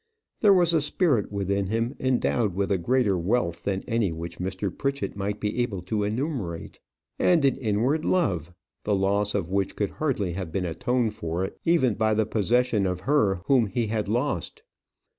There was a spirit within him endowed with a greater wealth than any which Mr. Pritchett might be able to enumerate; and an inward love, the loss of which could hardly have been atoned for even by the possession of her whom he had lost.